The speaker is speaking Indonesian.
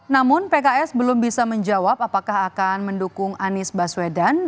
namun pks belum bisa menjawab apakah akan mendukung anies baswedan